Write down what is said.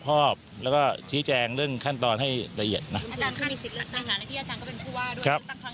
เพราะว่ามันก็ถือเป็นการเลือกตั้งมาก